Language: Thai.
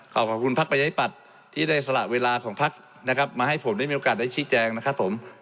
ขอบคุณพักประชาธิปัตย์ที่ได้สละเวลาของพักนะครับมาให้ผมได้มีโอกาสได้ชี้แจงนะครับผม